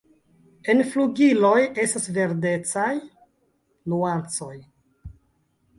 En flugiloj estas verdecaj nuancoj.